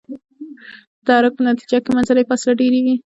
د تحرک په نتیجه کې منځنۍ فاصله ډیریږي.